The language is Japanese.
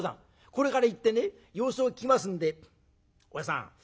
これから行ってね様子を聞きますんでおやじさん